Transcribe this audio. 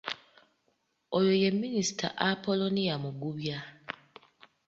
Oyo ye Minista Apolonia Mugubya.